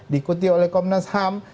dikuti oleh komnas ham